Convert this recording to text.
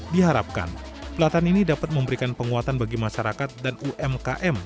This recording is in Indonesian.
diharapkan pelatihan ini dapat memberikan penguatan bagi masyarakat dan umkm